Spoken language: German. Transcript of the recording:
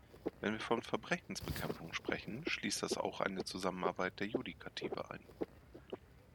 Wenn wir von Verbrechensbekämpfung sprechen, schließt das auch eine Zusammenarbeit der Judikative ein.